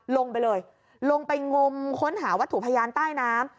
ลงไปเลยลงไปงมค้นหาวัตถุพยานใต้น้ำ